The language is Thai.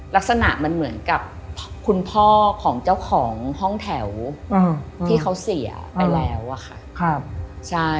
ลักษณะมันเหมือนกับคุณพ่อของเจ้าของห้องแถวที่เขาเสียไปแล้วอะค่ะใช่